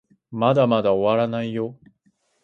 まだまだ終わらないよ